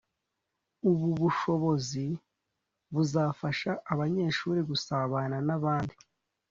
ubu bushobozi buzafasha abanyeshuri gusabana n’abandi